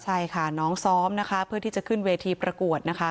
ใช่ค่ะน้องซ้อมนะคะเพื่อที่จะขึ้นเวทีประกวดนะคะ